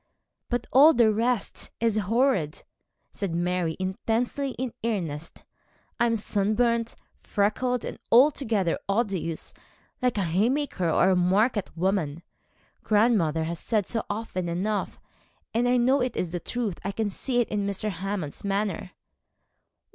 'But all the rest is horrid,' said Mary, intensely in earnest. 'I am sunburnt, freckled, and altogether odious like a haymaker or a market woman. Grandmother has said so often enough, and I know it is the truth. I can see it in Mr. Hammond's manner.'